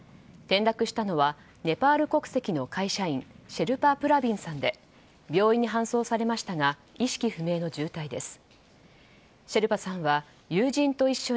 転落したのはネパール国籍の会社員シェルパ・プラヴィンさんで病院に搬送されましたが意識不明の重体です。